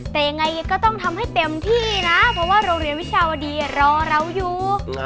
แต่ยังไงก็ต้องทำให้เต็มที่นะเพราะว่าโรงเรียนวิชาวดีรอเราอยู่